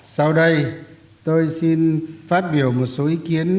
sau đây tôi xin phát biểu một số ý kiến